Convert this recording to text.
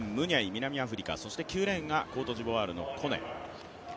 南アフリカそして９レーンがコートジボワールのコネ。